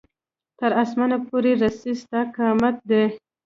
تر اسمانه پورې رسي ستا قامت هم